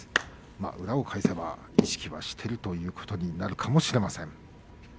裏を返せば意識はしているということになるかもしれません。